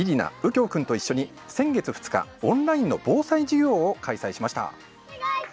きょう君と一緒に先月２日、オンラインの防災授業を開催しました。